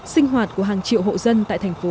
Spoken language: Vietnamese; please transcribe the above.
sinh hoạt của hàng triệu hộ dân tại thành phố